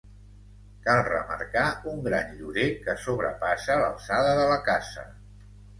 Cal remarcar un gran llorer que sobrepassa l'alçada de la casa.